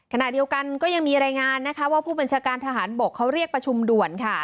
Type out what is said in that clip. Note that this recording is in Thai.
ขณะเดียวกันก็ยังมีรายงานนะคะว่าผู้บัญชาการทหารบกเขาเรียกประชุมด่วนค่ะ